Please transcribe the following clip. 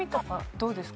どうですか？